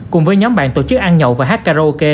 cùng với nhóm bạn tổ chức ăn nhậu và hát karaoke